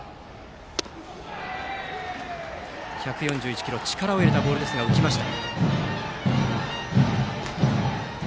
１４１キロの力を入れたボールは浮きました。